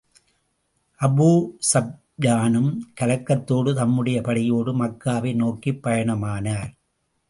அபூஸூப்யானும் கலக்கத்தோடு, தம்முடைய படையோடு மக்காவை நோக்கிப் பயணமானார்.